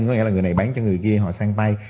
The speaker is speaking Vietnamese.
có nghĩa là người này bán cho người ghi họ sang tay